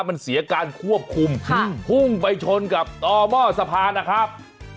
มันเสียการควบคุมพุ่งไปชนกับต่อหม้อสะพานนะครับ